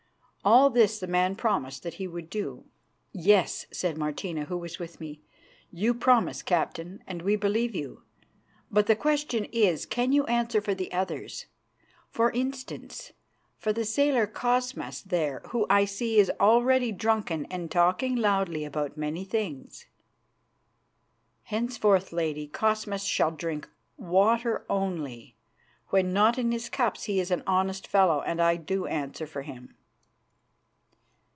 All this the man promised that he would do. "Yes," said Martina, who was with me, "you promise, Captain, and we believe you, but the question is, can you answer for the others? For instance, for the sailor Cosmas there, who, I see, is already drunken and talking loudly about many things." "Henceforth, lady, Cosmas shall drink water only. When not in his cups he is an honest fellow, and I do answer for him."